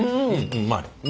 うまい。